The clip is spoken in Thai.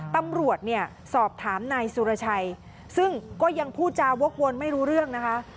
ตำรวจเนี่ยสอบถามนายสุรชัยซึ่งก็ยังพูดจาวกวนไม่รู้เรื่องนะคะ